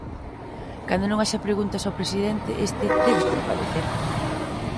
Cando non haxa preguntas ao presidente, este "debe comparecer".